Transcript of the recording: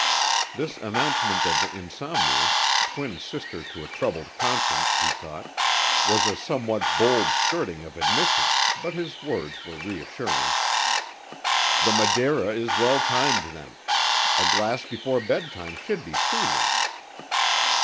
This announcement of insomnia twin sister to a troubled conscience, he thought was a somewhat bold skirting of admission, but his words were reassuring. "The Madeira is well timed then. A glass before bedtime should be soothing."